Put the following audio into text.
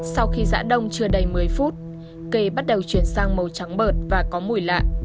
sau khi giã đông chưa đầy một mươi phút cây bắt đầu chuyển sang màu trắng bợt và có mùi lạ